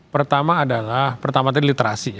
pertama adalah pertama tadi literasi ya